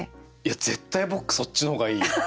絶対僕そっちの方がいい。